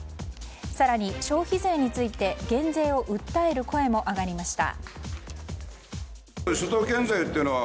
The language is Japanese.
更に消費税について減税を訴える声も上がりました。